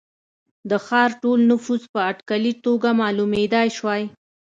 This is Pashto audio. د ښار ټول نفوس په اټکلي توګه معلومېدای شوای.